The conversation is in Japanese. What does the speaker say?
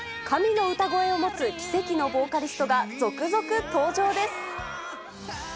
神の歌声を持つ奇跡のボーカリストが続々登場です。